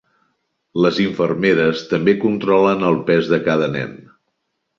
Les infermeres també controlen el pes de cada nen.